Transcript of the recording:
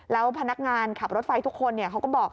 แล้วพนักงานขับรถไฟทุกคนเขาก็บอก